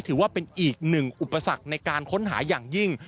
ถือว่าเป็นอีกหนึ่งอุปสรรคในการค้นหาอย่างยิ่ง